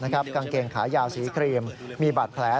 กางเกงขายาวสีครีมมีบาดแผล